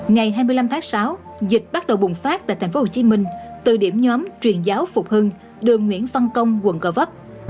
ngày hai mươi năm tháng sáu dịch bắt đầu bùng phát tại thành phố hồ chí minh từ điểm nhóm truyền giáo phục hưng đường nguyễn văn công quận cờ vấp